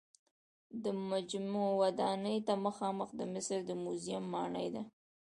د مجمع ودانۍ ته مخامخ د مصر د موزیم ماڼۍ ده.